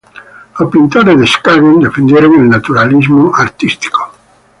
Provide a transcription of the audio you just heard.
Los pintores de Skagen defendieron el Naturalismo artístico.